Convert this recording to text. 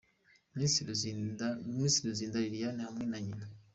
Miss Ruzinda Liliane hamwe na nyina.